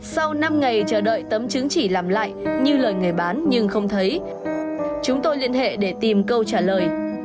sau năm ngày chờ đợi tấm chứng chỉ làm lại như lời người bán nhưng không thấy chúng tôi liên hệ để tìm câu trả lời